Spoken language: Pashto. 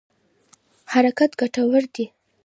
حرکت ګټور دی.